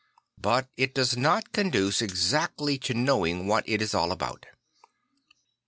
But it does not conduce exactly to knowing what it is all about.